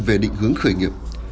về định hướng khởi nghiệp